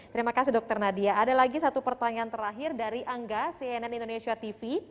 terima kasih dokter nadia ada lagi satu pertanyaan terakhir dari angga cnn indonesia tv